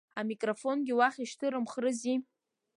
Амикрофонгьы уахь ишьҭырымхрызи.